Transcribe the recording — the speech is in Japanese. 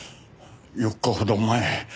４日ほど前。